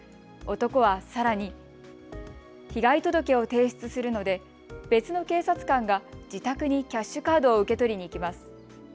男はさらに被害届を提出するので別の警察官が自宅にキャッシュカードを受け取りに行きます。